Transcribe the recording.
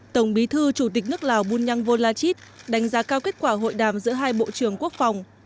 tổng bí thư chủ tịch nước lào bunyang volachit đánh giá cao kết quả hội đàm giữa hai bộ trưởng quốc phòng